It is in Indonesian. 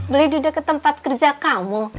beli dia ke tempat kerja kamu